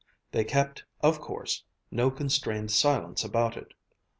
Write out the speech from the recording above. They kept, of course, no constrained silence about it.